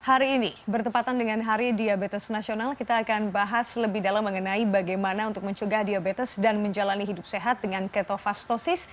hari ini bertepatan dengan hari diabetes nasional kita akan bahas lebih dalam mengenai bagaimana untuk mencegah diabetes dan menjalani hidup sehat dengan ketofastosis